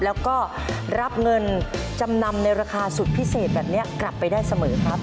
แล้วก็รับเงินจำนำในราคาสุดพิเศษแบบนี้กลับไปได้เสมอครับ